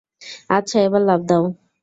আচ্ছা, এবার লাফ দাও।